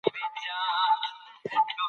زموږ ټولنه د مطالعې له لارې پرمختللې کیدې شي.